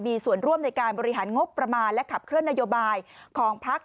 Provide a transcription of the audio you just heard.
มีส่วนร่วมในการบริหารงบประมาณและขับเคลื่อนนโยบายของพัก